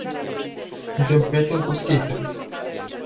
Suntem prieteni cu skaterii.